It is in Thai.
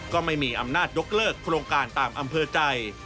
ก็ไม่มีอำนาจยกเลิกโครงการตามอำเภอใจ